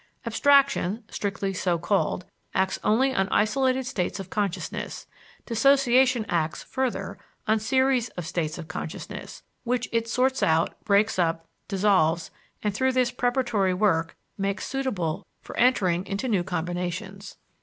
Abstraction, strictly so called, acts only on isolated states of consciousness; dissociation acts, further, on series of states of consciousness, which it sorts out, breaks up, dissolves, and through this preparatory work makes suitable for entering into new combinations.